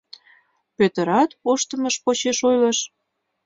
Пӧтырат моштымыж почеш ойлыш.